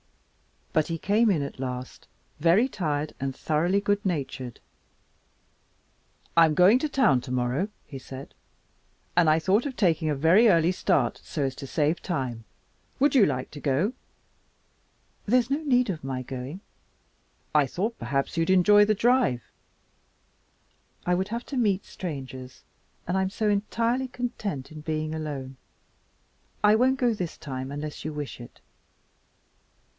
But he came in at last, very tired and thoroughly good natured. "I'm going to town tomorrow," he said, "and I thought of taking a very early start so as to save time. Would you like to go?" "There's no need of my going." "I thought perhaps you'd enjoy the drive." "I would have to meet strangers and I'm so entirely content in being alone I won't go this time unless you wish it."